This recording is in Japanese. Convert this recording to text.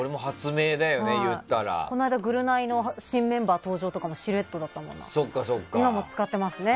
この間、「ぐるナイ」の新メンバー登場とかもシルエットで今も使っていますね。